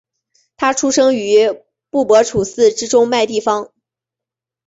他生于工布博楚寺之中麦地方。